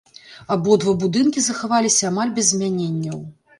Абодва будынкі захаваліся амаль без змяненняў.